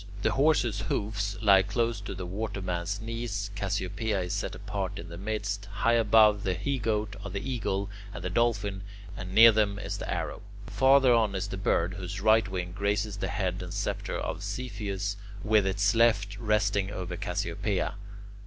The Horse's hoofs lie close to the Waterman's knees. Cassiopea is set apart in the midst. High above the He Goat are the Eagle and the Dolphin, and near them is the Arrow. Farther on is the Bird, whose right wing grazes the head and sceptre of Cepheus, with its left resting over Cassiopea.